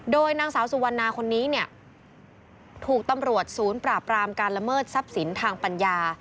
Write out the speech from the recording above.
โดยนางสาวสุวรรณาคนนี้เนี่ยถูกตำรวจศูนย์ปราบรามการละเมิดทรัพย์สินทางปัญญา